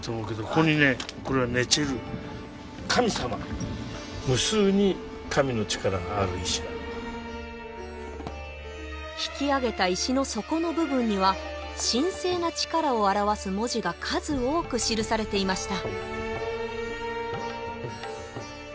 これは引き上げた石の底の部分には神聖な力を表す文字が数多く記されていました